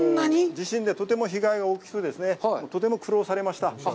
地震でとても被害が大きく、とても苦労されました。